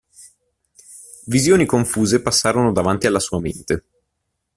Visioni confuse passarono davanti alla sua mente.